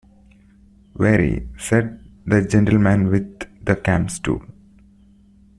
‘Very,’ said the gentleman with the camp-stool.